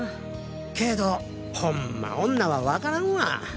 けどホンマ女はわからんわ。